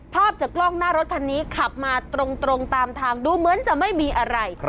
ภาพจากกล้องหน้ารถคันนี้ขับมาตรงตามทางดูเหมือนจะไม่มีอะไร